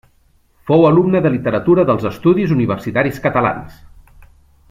Fou alumna de literatura dels Estudis Universitaris Catalans.